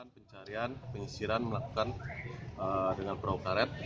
pencarian penyisiran melakukan dengan perahu karet